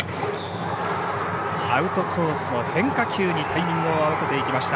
アウトコースの変化球にタイミングを合わせていきました。